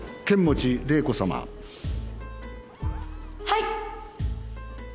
はい！